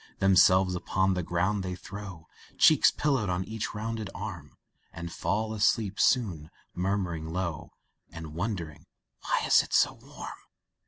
Themselves upon the ground they throw, Cheeks pillowed on each rounded arm And fall asleep soon, murmuring low, And wondering "why it is so warm?"